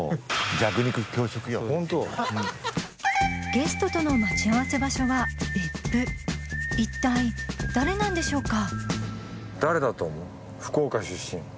ゲストとの待ち合わせ場所は別府一体誰なんでしょうか？